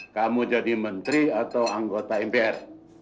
kamu jadi menteri atau anggota mpr